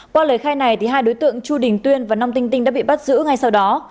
qua lời khai này hai đối tượng chu đình tuyên và nông tinh đã bị bắt giữ ngay sau đó